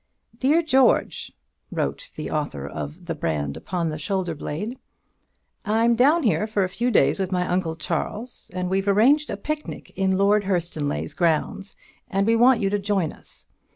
"Dear George," wrote the author of "The Brand upon the Shoulder blade," "I'm down here for a few days with my uncle Charles; and we've arranged a picnic in Lord Hurstonleigh's grounds, and we want you to join us.